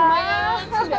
eh bela tuh